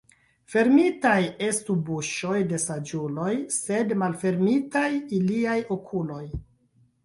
Fermitaj estu buŝoj de saĝuloj, sed malfermitaj iliaj okuloj.